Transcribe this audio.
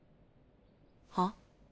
はっ？